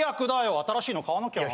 新しいの買わなきゃいや